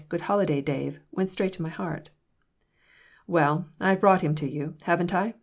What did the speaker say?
Good holiday, Dave!" went straight to my heart "Well, I've brought him to you, haven't I?